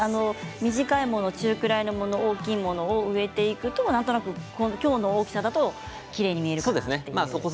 短いもの、中ぐらいのもの大きいものを植えるとなんとなくきょうの大きさだときれいに見えるかなと。